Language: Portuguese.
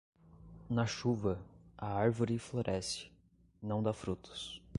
Na chuva, a árvore floresce, não dá frutos.